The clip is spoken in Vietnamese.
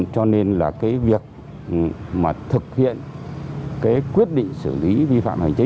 cho nên việc thực hiện quyết định xử lý vi phạm hành vi